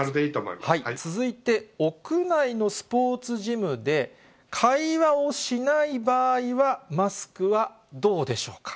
続いて屋内のスポーツジムで、会話をしない場合はマスクはどうでしょうか？